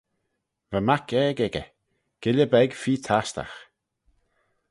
"Va mac aeg echey; guilley beg feer tastagh."